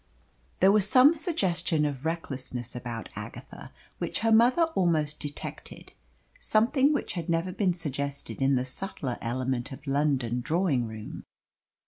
There was some suggestion of recklessness about Agatha, which her mother almost detected something which had never been suggested in the subtler element of London drawing room.